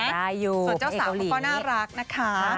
ส่วนเจ้าสาวเขาก็น่ารักนะคะ